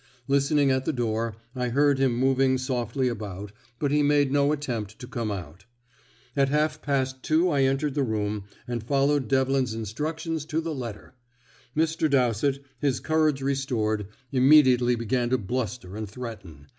Listening at the door, I heard him moving softly about, but he made no attempt to come out. At half past two I entered the room, and followed Devlin's instructions to the letter. Mr. Dowsett, his courage restored, immediately began to bluster and threaten.